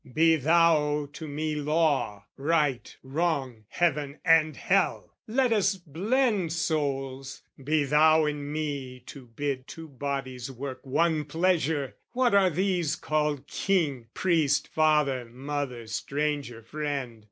"Be thou to me law, right, wrong, heaven and hell! "Let us blend souls, be thou in me to bid "Two bodies work one pleasure! What are these "Called king, priest, father, mother, stranger, friend?